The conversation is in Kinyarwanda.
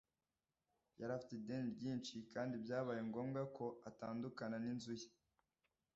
Yari afite ideni ryinshi kandi byabaye ngombwa ko atandukana n'inzu ye.